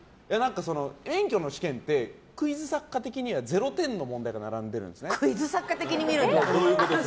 免許の試験ってクイズ作家的には０点の問題が並んでるんですね。